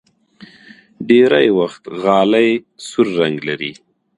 ډېری وخت غالۍ سور رنګ لري.